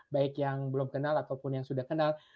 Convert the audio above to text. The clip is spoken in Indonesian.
baik yang belum kenal ataupun yang sudah kenal